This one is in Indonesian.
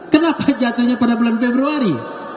kenapa jatuhnya pada bulan februari